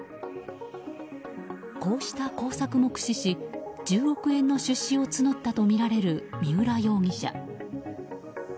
こうした工作も駆使し１０億円の出資を募ったとみられる三浦容疑者。